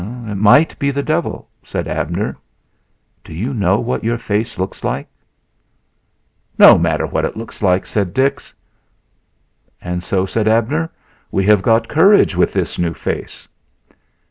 "It might be the devil," said Abner. "Do you know what your face looks like?" "No matter what it looks like!" said Dix. "And so," said Abner, "we have got courage with this new face."